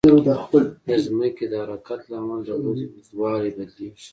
د ځمکې د حرکت له امله د ورځې اوږدوالی بدلېږي.